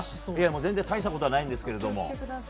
全然大したことはないんですけど。